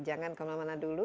jangan kemana mana dulu